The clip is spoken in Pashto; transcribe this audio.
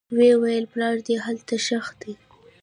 ويې ويل پلار دې هلته ښخ دى.